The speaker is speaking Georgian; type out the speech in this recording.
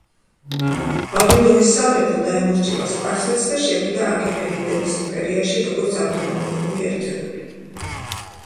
ბაბილონის სამეფო დაემორჩილა სპარსეთს და შევიდა აქემენიდების იმპერიაში, როგორც ავტონომიური ერთეული.